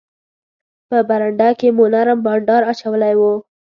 په برنډه کې مو نرم بانډار اچولی وو.